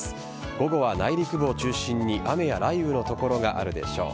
午後は内陸を中心に雨や雷雨の所があるでしょう。